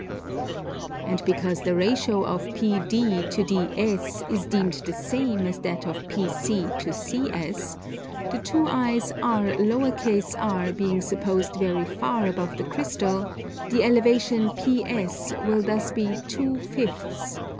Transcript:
And because the ratio of PD to DS is deemed the same as that of PC to CS, the two eyes Rr being supposed very far above the crystal, the elevation PS will thus be 2/5 of PD.